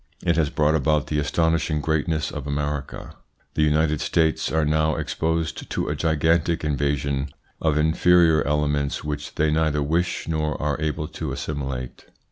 It has brought about the astonishing greatness of America. The United States are now exposed to a gigantic invasion of inferior elements which they neither wish nor are able to assimilate.